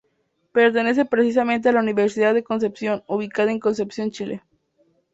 Pertenece precisamente a la Universidad de Concepción, ubicada en Concepción, Chile.